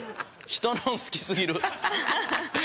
人のを好きすぎる。